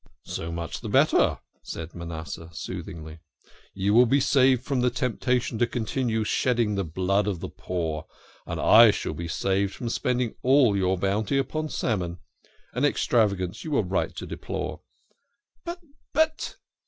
" So much the better !" said Manasseh soothingly. " You will be saved from the temptation to continue shedding the blood of the poor, and I shall be saved from spending all your bounty upon salmon an extravagance you were right to deplore." " But but